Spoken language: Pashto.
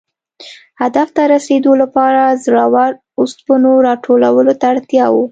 هدف ته رسېدو لپاره زړو اوسپنو را ټولولو ته اړتیا وه.